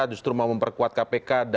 justru mau memperkuat kpk